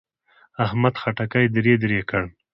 احمد خټکی دړې دړې کړ.